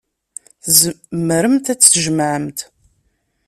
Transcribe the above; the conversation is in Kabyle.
Tzemremt ad t-tjemɛemt.